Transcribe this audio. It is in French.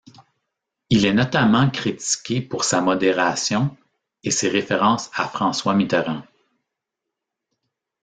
Il est notamment critiqué pour sa modération et ses références à François Mitterrand.